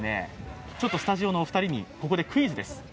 スタジオのお二人にここでクイズです。